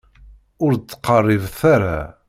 Ur d-ttqerribet ara.